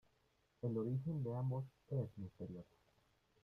El origen de ambos es misterioso.